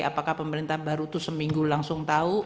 apakah pemerintah baru itu seminggu langsung tahu